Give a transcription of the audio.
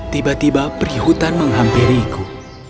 tiba tiba perihutan menghampiriiku